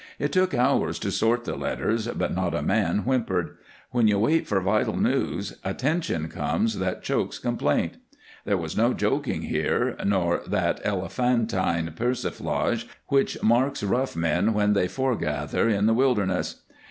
It took hours to sort the letters, but not a man whimpered. When you wait for vital news a tension comes that chokes complaint. There was no joking here, nor that elephantine persiflage which marks rough men when they forgather in the wilderness.